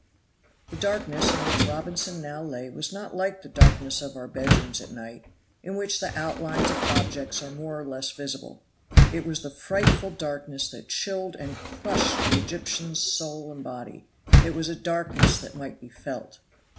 The darkness in which Robinson now lay was not like the darkness of our bedrooms at night, in which the outlines of objects are more or less visible; it was the frightful darkness that chilled and crushed the Egyptians soul and body; it was a darkness that might be felt.